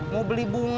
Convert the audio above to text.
mau beli bunga